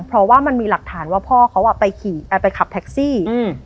เพราะว่ามันมีหลักฐานว่าพ่อเขาอ่ะไปขับแท็คซี่